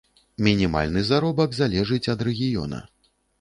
Мінімальны заробак залежыць ад рэгіёна.